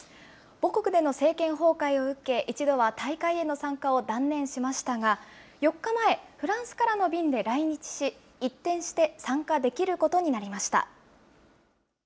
母国での政権崩壊を受け、一度は大会への参加を断念しましたが、４日前、フランスからの便で来日し、一転して参加できることになりました。